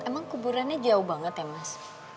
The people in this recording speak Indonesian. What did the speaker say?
emang kuburannya jauh banget ya mas